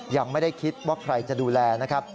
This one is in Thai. ยังไม่ได้คิดว่าใครจะดูแลนะครับ